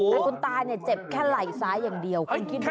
อีนคุณตาเนี่ยเจ็บแค่ไหล่ซ้ายอย่างเดียว